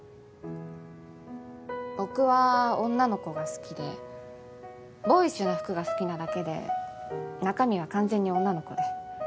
僕は女の子が好きでボーイッシュな服が好きなだけで中身は完全に女の子で。